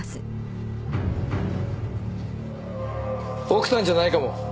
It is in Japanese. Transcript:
奥さんじゃないかも。